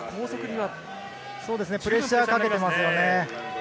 プレッシャーをかけていますよね。